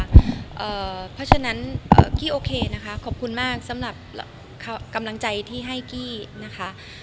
เพราะฉะนั้นกี้โอเคนะคะขอบคุณมากสำหรับกำลังใจที่ให้กี้นะคะ